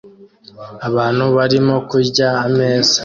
Abantu barimo kurya ameza